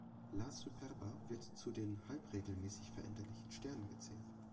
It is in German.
La Superba wird zu den halbregelmäßig veränderlichen Sternen gezählt.